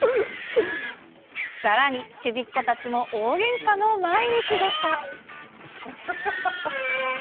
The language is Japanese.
さらに、ちびっ子たちも大げんかの毎日でした。